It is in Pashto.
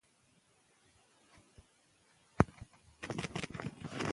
هغوی به تر راتلونکي کاله پورې پوهه ترلاسه کړي.